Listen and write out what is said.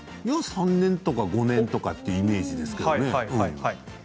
３年とか５年とかってイメージですけどね。